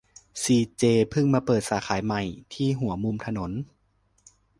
ซีเจเพิ่งมาเปิดสาขาใหม่ที่หัวมุมถนน